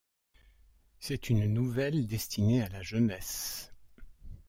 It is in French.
C'est une nouvelle destinée à la jeunesse.